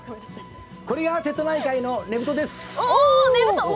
これが瀬戸内海のねぶとです。